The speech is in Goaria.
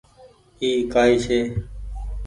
اي ڪائي ڇي۔